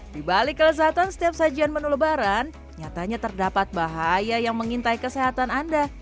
di balik kelezatan setiap sajian menu lebaran nyatanya terdapat bahaya yang mengintai kesehatan anda